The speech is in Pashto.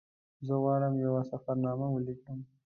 زه غواړم یوه سفرنامه ولیکم.